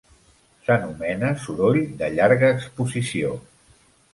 S'anomena soroll de llarga exposició.